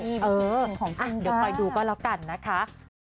อื้อของจริงค่ะเดี๋ยวไปดูก็แล้วกันนะคะ